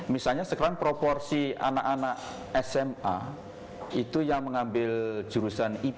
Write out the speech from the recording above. misalnya sekarang proporsi anak anak sma itu yang mengambil jurusan ip